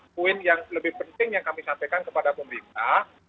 poin yang lebih penting yang kami sampaikan kepada pemerintah